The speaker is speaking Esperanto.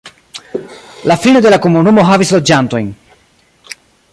La Fine de la komunumo havis loĝantojn.